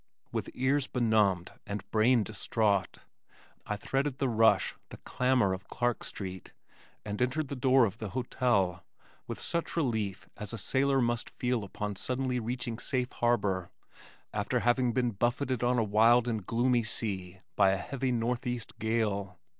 With ears benumbed and brain distraught, I threaded the rush, the clamor of Clark street and entered the door of the hotel, with such relief as a sailor must feel upon suddenly reaching safe harbor after having been buffeted on a wild and gloomy sea by a heavy northeast gale.